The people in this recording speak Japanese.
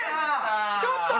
ちょっと！